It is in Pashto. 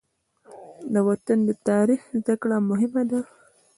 د وطن د تاریخ زده کړه مهمه ده.